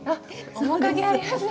面影ありますね。